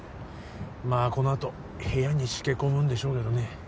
まあこのあと部屋にしけこむんでしょうけどね